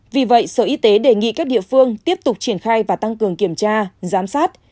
vì vậy sở y tế đề nghị các địa phương tiếp tục triển khai và tăng cường kiểm tra giám sát